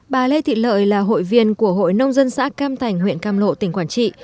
bà lê thị lợi là hội viên của hội nông dân xã cam thành huyện cam lộ tỉnh quảng trị